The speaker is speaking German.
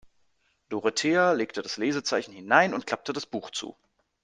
Dorothea legte das Lesezeichen hinein und klappte das Buch zu.